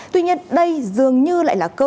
tuy nhiên đây dường như lại là cơ hội